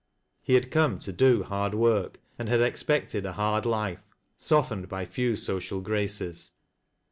He had come to do hard work, and had expected a hard life, softened by few social graces.